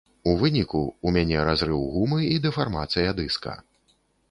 У выніку, у мяне разрыў гумы і дэфармацыя дыска.